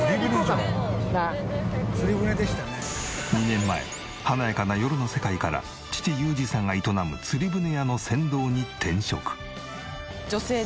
２年前華やかな夜の世界から父裕二さんが営む釣り船屋の船頭に転職。